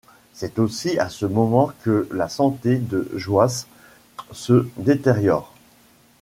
C'est aussi à ce moment que la santé de Joyce se détériore.